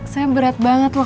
saya berat banget loh